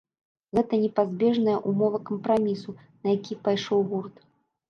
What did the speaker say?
Гэта непазбежная ўмова кампрамісу, на які пайшоў гурт.